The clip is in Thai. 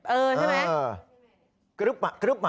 เออใช่ไหม